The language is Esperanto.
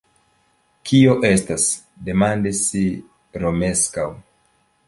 Kio estas? demandis Romeskaŭ.